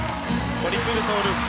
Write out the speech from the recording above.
トリプルループ。